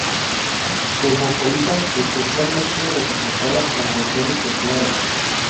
Cosmopolitas, especialmente representadas en regiones templadas.